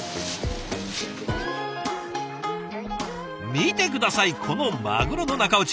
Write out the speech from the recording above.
見て下さいこのマグロの中落ち。